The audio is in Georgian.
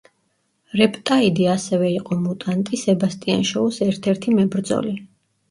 რიპტაიდი ასევე იყო მუტანტი სებასტიან შოუს ერთ-ერთი მებრძოლი.